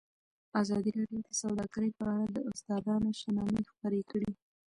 ازادي راډیو د سوداګري په اړه د استادانو شننې خپرې کړي.